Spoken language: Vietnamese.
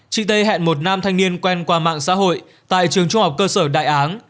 chị tây hẹn một nam thanh niên quen qua mạng xã hội tại trường trung học cơ sở đại án